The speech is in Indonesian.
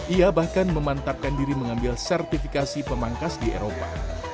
ia bahkan memantapkan diri mengambil sertifikasi pemangkas di eropa